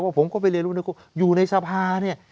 ผมก็ไปเรียนรู้นะคุณอยู่ในสภาเนี่ย